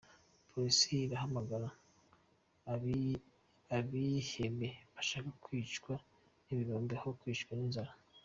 Polisi iramagana abihebe bashaka kwicwa n’ibirombe aho kwicwa n’inzara.